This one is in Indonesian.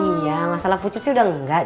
iya masalah pucut sih udah enggak